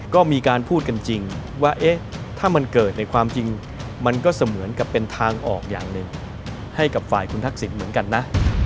ก็มีการพูดกันจริงว่าถ้ามันเกิดในความจริงมันก็เสมือนกับเป็นทางออกอย่างหนึ่งให้กับฝ่ายคุณทักษิณเหมือนกันนะ